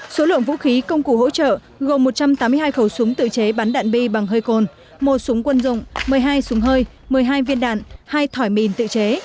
số lượng vũ khí công cụ hỗ trợ gồm một trăm tám mươi hai khẩu súng tự chế bắn đạn bi bằng hơi cồn một súng quân dụng một mươi hai súng hơi một mươi hai viên đạn hai thỏi mìn tự chế